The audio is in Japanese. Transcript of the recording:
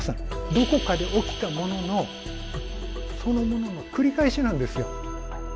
どこかで起きたもののそのものの繰り返しなんですよ。